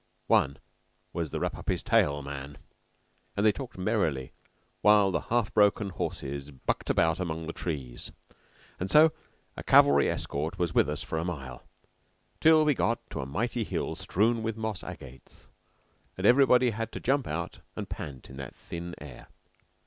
One was the Wrap up his Tail man, and they talked merrily while the half broken horses bucked about among the trees. And so a cavalry escort was with us for a mile, till we got to a mighty hill strewn with moss agates, and everybody had to jump out and pant in that thin air.